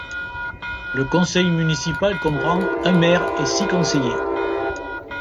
Le conseil municipal comprend un maire et six conseillers.